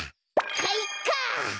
かいか！